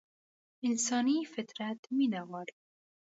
انساني فطرت مينه غواړي.